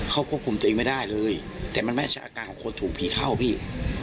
เขาควบคุมตัวเองไม่ได้เลยแต่มันไม่ใช่อาการของคนถูกผีเข้าพี่